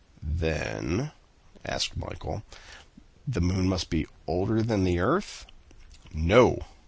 "Then," asked Michel, "the moon must be older than the earth?" "No!"